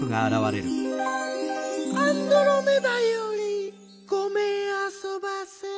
アンドロメダよりごめんあそばせ。